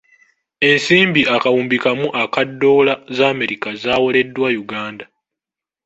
Ensimbi akawumbi kamu aka ddoola z'Amerika zaawoleddwa Uganda.